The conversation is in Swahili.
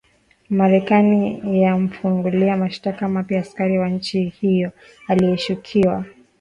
marekani ya mfungulia mashtaka mapya askari wa nchi hiyo anayeshukiwa